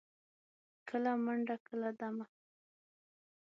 کله منډه، کله دمه.